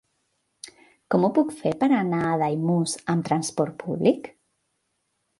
Com ho puc fer per anar a Daimús amb transport públic?